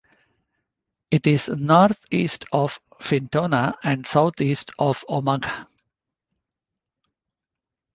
It is northeast of Fintona and southeast of Omagh.